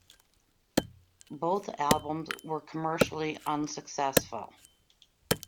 Both albums were commercially unsuccessful.